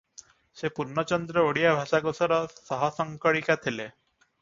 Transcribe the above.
ସେ ପୂର୍ଣ୍ଣଚନ୍ଦ୍ର ଓଡ଼ିଆ ଭାଷାକୋଷର ସହସଂକଳିକା ଥିଲେ ।